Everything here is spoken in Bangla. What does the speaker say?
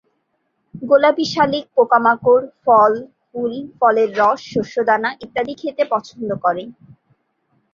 গোলাপি শালিক পোকামাকড়, ফল, ফুল-ফলের রস, শস্যদানা ইত্যাদি খেতে পছন্দ করে।